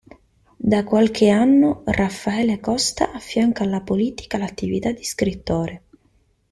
Da qualche anno, Raffaele Costa affianca alla politica l'attività di scrittore.